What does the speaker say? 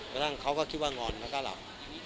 กระทั่งเขาก็คิดว่างอนแล้วก็หลับ